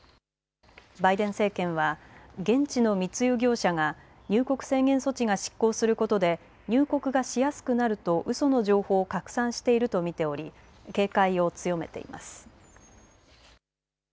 バイデン政権は現地の密輸業者が入国制限措置が失効することで入国がしやすくなるとうその情報を拡散していると見ており警戒を強めています。